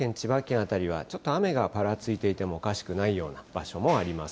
辺りはちょっと雨がぱらついていてもおかしくないような場所もあります。